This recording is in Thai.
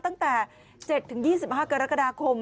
ตั้งแต่๗๒๕กรกฎาคม